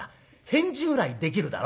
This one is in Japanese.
返事ぐらいできるだろ？ね？